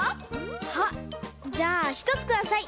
あっじゃあひとつください。